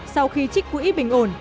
sau khi trích quỹ bình ổn